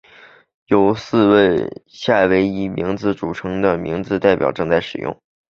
四份由夏威夷语名字组成的命名表正在使用。